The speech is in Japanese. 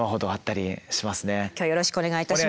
今日よろしくお願いいたします。